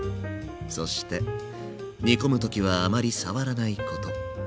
そして煮込む時はあまり触らないこと。